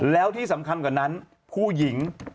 แล้วที่สำคัญกว่านั้นผู้หญิง